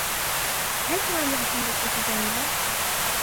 هل تمانع في الوقوف جانبًا ؟